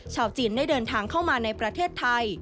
ชาวจีนได้เดินทางเข้ามาในประเทศไทย